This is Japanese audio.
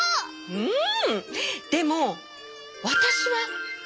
うん！